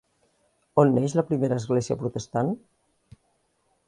On neix la primera església protestant?